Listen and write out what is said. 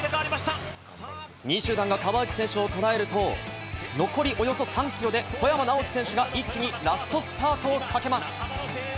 ２位集団が川内選手を捉えると、残りおよそ３キロで小山直城選手が一気にラストスパートをかけます。